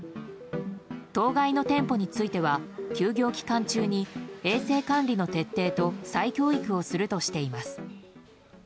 当該の店舗については休業期間中に衛生管理の徹底と再教育をするとしています。